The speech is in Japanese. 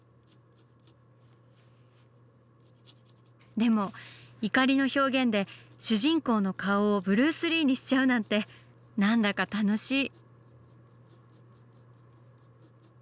でも怒りの表現で主人公の顔をブルース・リーにしちゃうなんて何だか楽しい。